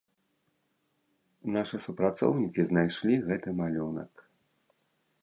Нашы супрацоўнікі знайшлі гэты малюнак.